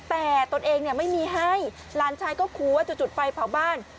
แต่ตนเองเนี่ยไม่มีให้หลานชายก็คูว่าจะจุดไฟเผาบ้าน